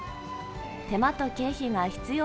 手間と経費が必要